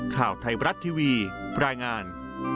ข่าวไทยบรัฐทีวีรายงาน